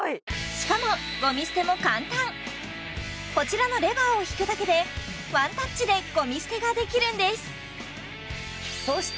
しかもゴミ捨ても簡単こちらのレバーを引くだけでワンタッチでゴミ捨てができるんです